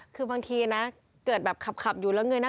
คือบางทีเกิดแบบขับอยู่แล้วเงื่อนรัก